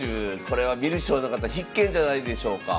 これは観る将の方必見じゃないでしょうか。